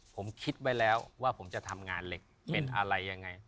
ผมคิดไว้แล้วว่าผมจะทำงานเหล็กเป็นอะไรยังไง